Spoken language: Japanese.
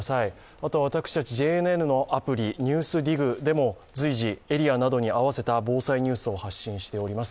あとは私たちＪＮＮのアプリ「ＮＥＷＳＤＩＧ」でも随時、エリアなどに合わせた防災ニュースを発信しております。